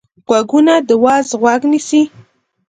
غوږونه د وعظ غوږ نیسي